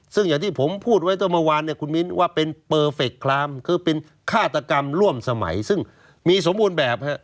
ซึ่งอย่างที่ผมพูดไว้ตั้งเมื่อวานเนี่ยคุณมิ้นว่าเป็นเปอร์เฟคคลามคือเป็นฆาตกรรมร่วมสมัยซึ่งมีสมบูรณ์แบบฮะ